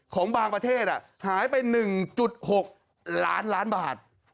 ของบางประเทศหายไป๑๖ล้านล้านบาท